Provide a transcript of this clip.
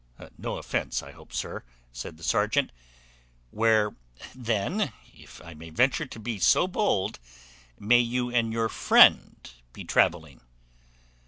"No offence, I hope, sir," said the serjeant; "where, then, if I may venture to be so bold, may you and your friend be travelling?"